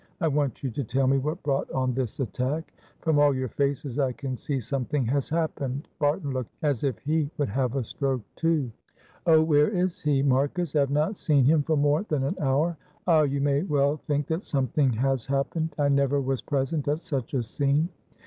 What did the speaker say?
I want you to tell me what brought on this attack. From all your faces I can see something has happened. Barton looked as if he would have a stroke, too?" "Oh, where is he, Marcus? I have not seen him for more than an hour. Ah, you may well think that something has happened. I never was present at such a scene.